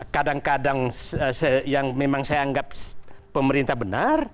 kadang kadang yang memang saya anggap pemerintah benar